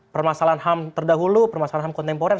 permasalahan ham terdahulu permasalahan ham kontemporer